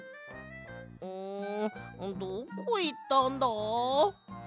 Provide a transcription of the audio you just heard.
んどこいったんだ？